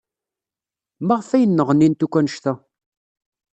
Maɣef ay nneɣnint akk anect-a?